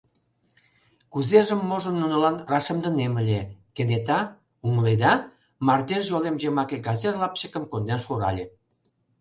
Кузежым-можым нунылан рашемдынем ыле, кенета, умыледа, мардеж йолем йымаке газет лапчыкым конден шурале.